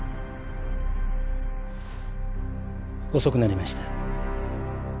遅くなりました